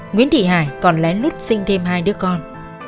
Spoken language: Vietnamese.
nguyễn thị hải còn lén lút sinh thêm hai đứa con